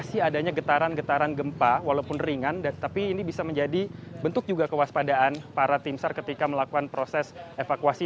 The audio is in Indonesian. masih adanya getaran getaran gempa walaupun ringan tapi ini bisa menjadi bentuk juga kewaspadaan para timsar ketika melakukan proses evakuasi